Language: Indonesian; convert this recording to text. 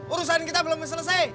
urusan kita belum selesai